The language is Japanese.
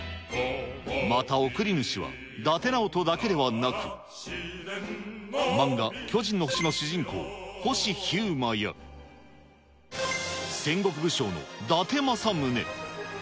また送り主は伊達直人だけでなく、漫画、巨人の星の主人公、ほしひゅうまや、戦国武将の伊達政宗。